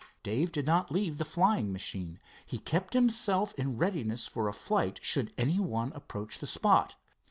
Dave did not leave the flying machine. He kept himself in readiness for a flight, should anyone approach the spot.